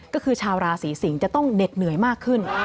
ก็คือชาวราศีสิงศ์จะต้องเหน็ดเหนื่อยมากขึ้น